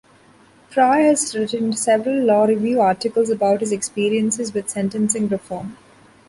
Pryor has written several law review articles about his experiences with sentencing reform.